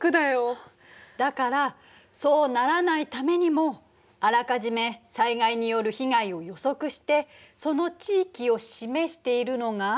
だからそうならないためにもあらかじめ災害による被害を予測してその地域を示しているのが？